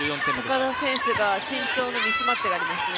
高田選手が身長のミスマッチがありますね。